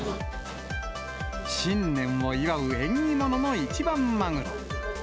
新年を祝う縁起物の一番マグロ。